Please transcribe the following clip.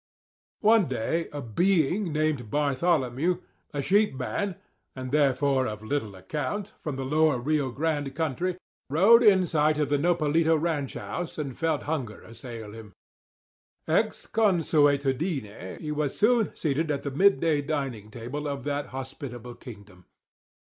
One day a being named Bartholomew, a sheep man—and therefore of little account—from the lower Rio Grande country, rode in sight of the Nopalito ranch house, and felt hunger assail him. Ex consuetudine he was soon seated at the mid day dining table of that hospitable kingdom.